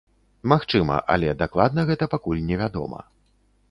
Магчыма, але дакладна гэта пакуль не вядома.